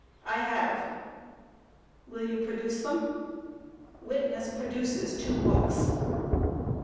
A. I have. Q. Will you produce them? [Witness produces two books.